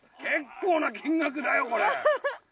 結構な金額だよこれ。